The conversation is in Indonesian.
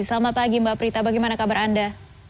selamat pagi mbak prita bagaimana kabar anda